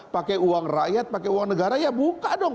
pakai uang rakyat pakai uang negara ya buka dong